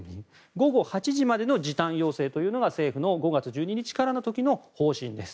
午後８時までの時短要請というのが政府の５月１２日からの時の方針です。